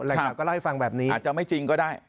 ข่าวก็เล่าให้ฟังแบบนี้อาจจะไม่จริงก็ได้